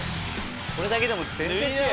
これだけでも全然違う。